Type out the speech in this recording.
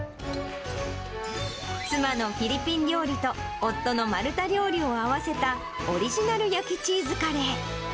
妻のフィリピン料理と夫のマルタ料理を合わせた、オリジナル焼きチーズカレー。